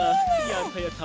やったやった。